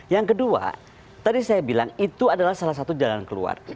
yang kedua tadi saya bilang itu adalah salah satu jalan keluar